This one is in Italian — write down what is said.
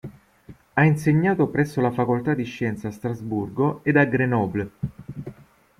Ha insegnato presso le facoltà di scienze a Strasburgo ed a Grenoble.